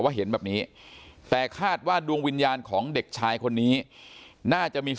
เห็นแบบนี้แต่คาดว่าดวงวิญญาณของเด็กชายคนนี้น่าจะมี